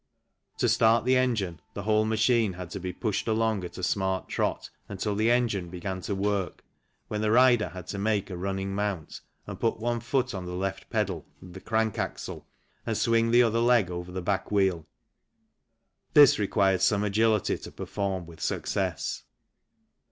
To start the engine the whole machine had to be pushed along at a smart trot until the engine began to work, when the rider had to make a " running mount " and put one foot on the left pedal FIG. 31 THE MILLFORD SIDE CAR of the crank axle and swing the other leg over the back wheel. This required some agility to perform with success.